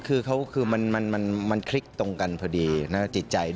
คือมันคลิ้กตรงกันพอดีบ์